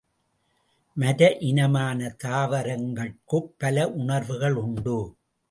மர இனமான தாவரங்கட்கும் பல உணர்வுகள் உண்டு.